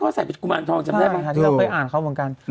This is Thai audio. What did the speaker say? เขาใส่เป็นกรุ่มอ่านทองใจไหมไอซับอ่าได้อ่านค่ะเหมือนกัน